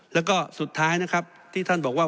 แล้วก็สุดท้ายนะครับที่ท่านบอกว่า